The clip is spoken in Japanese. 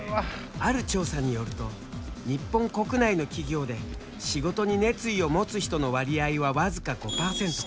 ある調査によると日本国内の企業で仕事に熱意を持つ人の割合は僅か５％。